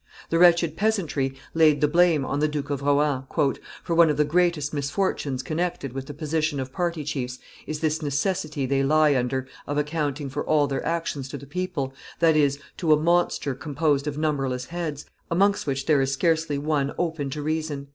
The wretched peasantry laid the blame on the Duke of Rohan, "for one of the greatest misfortunes connected with the position of party chiefs is this necessity they lie under of accounting for all their actions to the people, that is, to a monster composed of numberless heads, amongst which there is scarcely one open to reason."